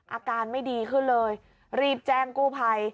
อาการไม่ดีขึ้นเลยรีบแจ้งกู้ภัย